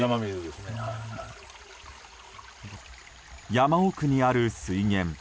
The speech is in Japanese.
山奥にある水源。